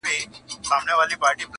د پنیر ټوټه ترې ولوېده له پاسه.!